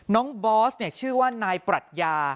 น้องบอสเนี่ยชื่อว่านายปรัชญา